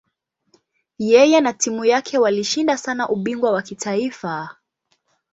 Yeye na timu yake walishinda sana ubingwa wa kitaifa.